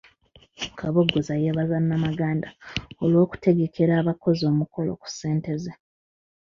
Kabogoza yeebaza Namaganda olw'okutegekera abakozi omukolo ku ssente ze.